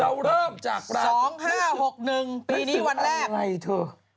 เราเริ่มจากลาสีสองห้าหกหนึ่งปีนี้วันแรก